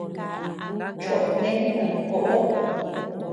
Choʼo né dankoʼo.